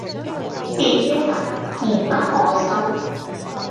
便一發而不可收，